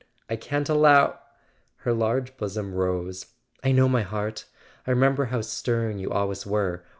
I can't allow " Her large bosom rose. "I know, my heart! I remem¬ ber how stern you always were.